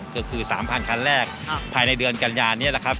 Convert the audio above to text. ก็คือสามพันคันแรกฮะภายในเดือนกันยานี้แหละครับ